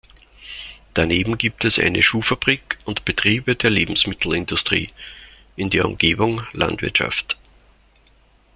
Daneben gibt es eine Schuhfabrik und Betriebe der Lebensmittelindustrie; in der Umgebung Landwirtschaft.